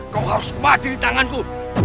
kau harus mati di tanganku